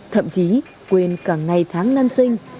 thậm chí quên cả ngày tháng năm sinh